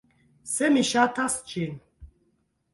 Se mi ŝatas ĝin